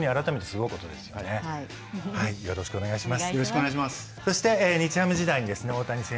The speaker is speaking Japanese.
よろしくお願いします。